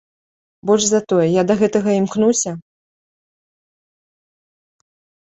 Больш за тое, я да гэтага імкнуся!